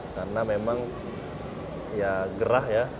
karena memang ya gerah ya